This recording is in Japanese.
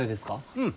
うん。